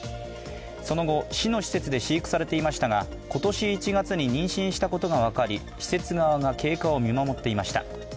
その後、市の施設で飼育されていましたが今年１月に妊娠したことが分かり、施設側が経過を見守っていました。